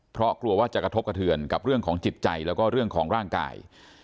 เพราะกลัวว่าจะกระทบกระเทือนกับเรื่องของจิตใจแล้วก็เรื่องของร่างกาย